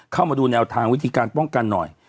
เข้ามาดูแนวทางวิธีการป้องกันหน่อย